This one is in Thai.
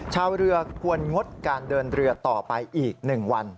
ชาวเรือควรงดการเดินเรือต่อไปอีก๑วัน